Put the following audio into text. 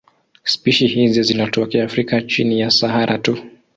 Spishi hizi zinatokea Afrika chini ya Sahara tu.